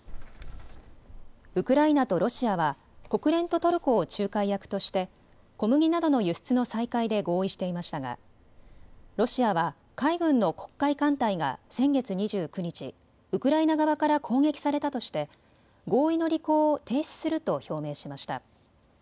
ウクライナとロシアは国連とトルコを仲介役として小麦などの輸出の再開で合意していましたがロシアは海軍の黒海艦隊が先月２９日、ウクライナ側から攻撃されたとして合意の履行を停止すると表明しました。